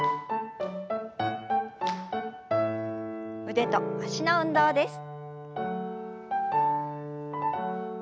腕と脚の運動です。